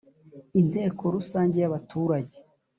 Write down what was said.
Inteko Rusange y’abaturage